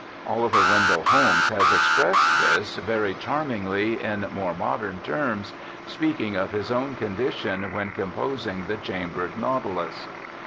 Oliver Wendell Holmes has expressed this very charmingly in more modern terms, speaking of his own condition when composing the Chambered Natitihis.